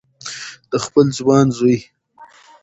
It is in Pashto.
د خپل ځوان زوی